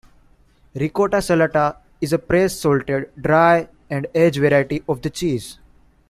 "Ricotta salata" is a pressed, salted, dried, and aged variety of the cheese.